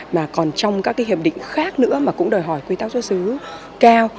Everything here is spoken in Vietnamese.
mà còn trong các cái hiệp định khác nữa mà cũng đòi hỏi quy tắc xuất xứ cao